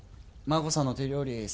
真子さんの手料理